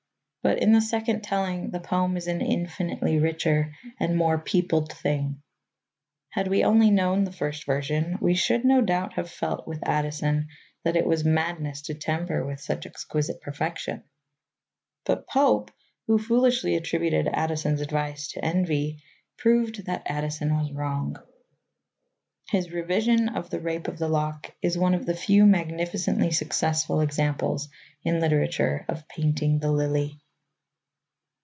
But in the second telling the poem is an infinitely richer and more peopled thing. Had we only known the first version, we should, no doubt, have felt with Addison that it was madness to tamper with such exquisite perfection. But Pope, who foolishly attributed Addison's advice to envy, proved that Addison was wrong. His revision of The Rape of the Lock is one of the few magnificently successful examples in literature of painting the lily.